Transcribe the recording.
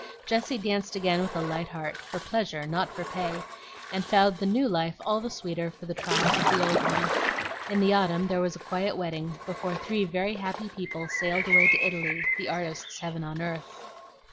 Jessie danced again with a light heart, for pleasure, not for pay, and found the new life all the sweeter for the trials of the old one. In the autumn there was a quiet wedding, before three very happy people sailed away to Italy, the artist's heaven on earth.